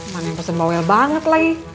mana yang pesen bawel banget lagi